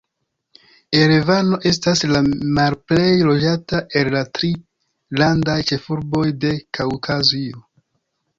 Erevano estas la malplej loĝata el la tri landaj ĉefurboj de Kaŭkazio.